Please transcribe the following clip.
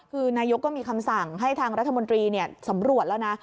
คือนายกก็มีคำสั่งให้ทางรัฐมนตรีสำรวจแล้วนะ